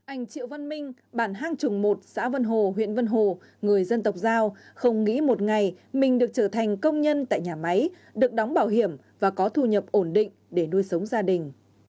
anh triệu văn minh bản hang trùng một xã vân hồ huyện vân hồ người dân tộc giao không nghĩ một ngày mình được trở thành công nhân tại nhà máy được đóng bảo hiểm và có thu nhập ổn định để nuôi sống gia đình